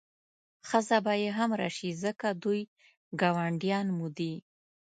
ښځه به یې هم راشي ځکه دوی ګاونډیان مو دي.